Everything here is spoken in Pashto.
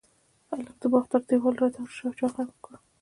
هلک د باغ تر دېواله را تاو شو، يو چا غږ کړل: